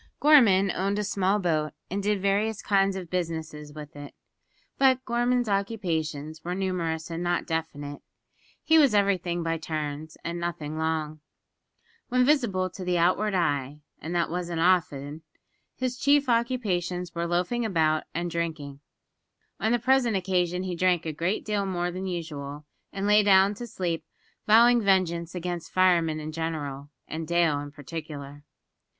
Gorman owned a small boat, and did various kinds of business with it. But Gorman's occupations were numerous and not definite. He was everything by turns, and nothing long. When visible to the outward eye (and that wasn't often), his chief occupations were loafing about and drinking. On the present occasion he drank a good deal more than usual, and lay down to sleep, vowing vengeance against firemen in general, and Dale in particular.